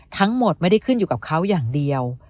ทั้งหมดไม่ได้ขึ้นอยู่กับเขาอย่างเดียว